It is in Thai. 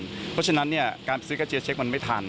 เพราะฉะนั้นการซื้อกระเจียเช็คมันไม่ทัน